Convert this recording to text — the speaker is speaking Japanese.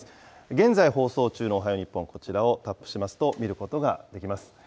現在、放送中のおはよう日本、こちらをタップしますと、見ることができます。